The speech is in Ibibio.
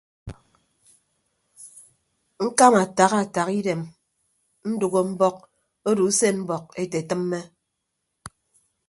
Ñkama ataha ataha idem ndәgho mbọk odo usen mbọk ete tịmme.